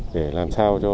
để làm sao cho